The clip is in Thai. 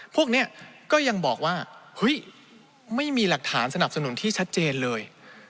พวกนี้ก็ยังบอกว่าเฮ้ยไม่มีหลักฐานสนับสนุนที่ชัดเจนเลย